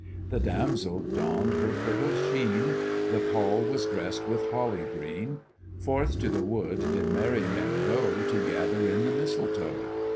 The damsel donned her kirtle sheen; The hall was dressed with holly green; Forth to the wood did merry men go, To gather in the mistletoe.